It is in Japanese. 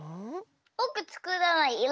ぼくつくらない。